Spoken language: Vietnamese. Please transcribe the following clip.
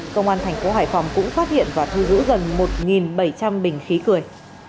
công an tp hải phòng cũng phát hiện và thu giữ gần một bảy trăm linh bình khí cười